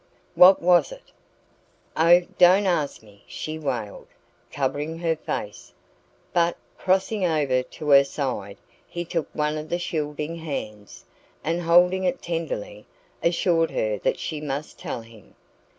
"What was it?" "Oh, don't ask me!" she wailed, covering her face. But, crossing over to her side, he took one of the shielding hands, and holding it tenderly, assured her that she must tell him.